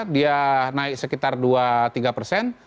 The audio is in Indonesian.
dia naik sekitar dua tiga persen